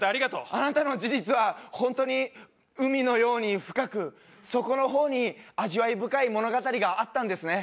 あなたの事実は本当に海のように深く底の方に味わい深い物語があったんですね。